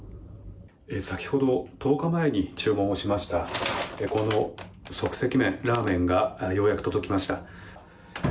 先ほど１０日前に注文しましたこの即席麺ラーメンがようやく届きました。